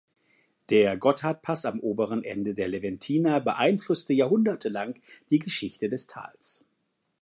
Der Gotthardpass am oberen Ende der Leventina beeinflusste jahrhundertelang die Geschichte des Tales.